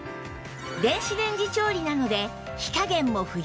電子レンジ調理なので火加減も不要